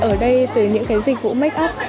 ở đây từ những cái dịch vụ make up